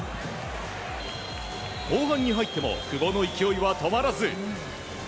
後半に入っても久保の勢いは止まらず。